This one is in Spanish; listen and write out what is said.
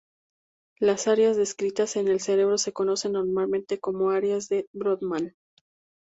Las áreas descritas en el cerebro se conocen normalmente como áreas de Brodmann.